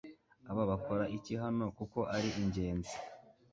Aba bakora iki hano kuko ari ingenzi